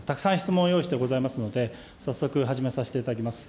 たくさん質問を用意していますので、早速始めさせていただきます。